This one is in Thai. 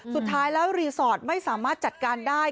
สุดท้ายแล้วรีสอร์ทไม่สามารถจัดการได้